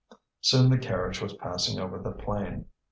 Soon the carriage was passing over the plain.